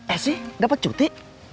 eh sih dapet cuti